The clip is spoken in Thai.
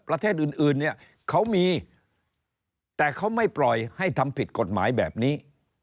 ประเทศอื่นเนี่ยเขามีแต่เขาไม่ปล่อยให้ทำผิดกฎหมายแบบนี้